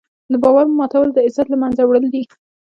د باور ماتول د عزت له منځه وړل دي.